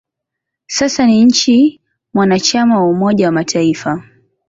Sasa ni nchi mwanachama wa Umoja wa Mataifa.